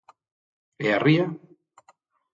E a ría?